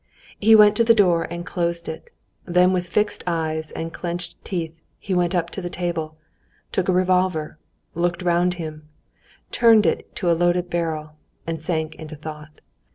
He went to the door and closed it, then with fixed eyes and clenched teeth he went up to the table, took a revolver, looked round him, turned it to a loaded barrel, and sank into thought.